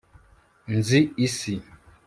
nzi isi